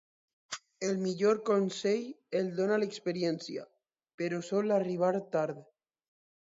El millor consell el dóna l'experiència, però sol arribar tard.